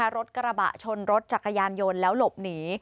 รถกระบะชนรถจักรยานยนต์แล้วหลบหนี